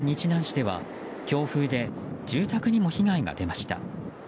宮崎県日南市では強風で住宅にも被害が出ました。